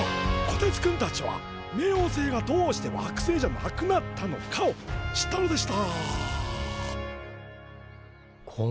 こてつくんたちは冥王星がどうして惑星じゃなくなったのかを知ったのでしたこんな公園があったのか。